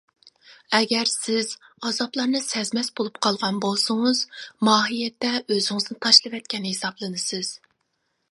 ئەگەر سىز ئازابلارنى سەزمەس بولۇپ قالغان بولسىڭىز، ماھىيەتتە ئۆزىڭىزنى تاشلىۋەتكەن ھېسابلىنىسىز.